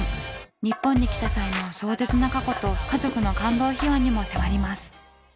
日本に来た際の壮絶な過去と家族の感動秘話にも迫ります。